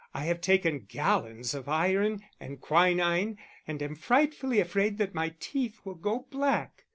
I have taken gallons of iron and quinine, and I'm frightfully afraid that my teeth will go black.